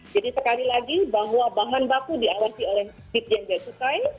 jadi sekali lagi bahwa bahan baku diawasi oleh bipjen bia dan cukai